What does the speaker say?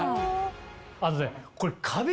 あとね。